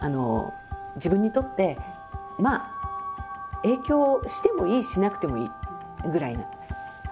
自分にとってまあ影響してもいいしなくてもいいぐらいな方。